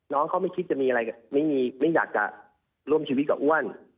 น้องเขาไม่คิดจะมีอะไรไม่อยากจะร่วมชีวิตกับอ้วน